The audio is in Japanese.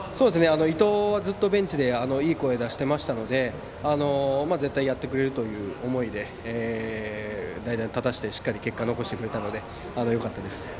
伊藤は、ずっとベンチでいい声を出していましたので絶対にやってくれるという思いで代打に立たせてしっかり結果を残してくれたのでよかったです。